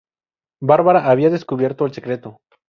Bárbara había descubierto el secreto.